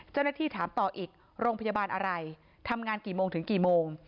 เจ้าหน้าที่ถามต่ออีกโรงพยาบาลอะไรทำงานกี่โมงถึงกี่โมง